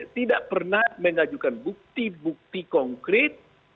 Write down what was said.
tidak pernah mengajukan bukti bukti konkret